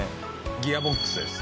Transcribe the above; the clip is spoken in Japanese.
ギアボックスです。